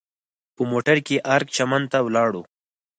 په موټر کې ارګ چمن ته ولاړو.